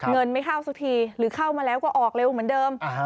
เงินไม่เข้าสักทีหรือเข้ามาแล้วก็ออกเร็วเหมือนเดิม